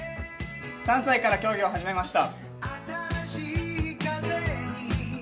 ３歳から競技を始めました。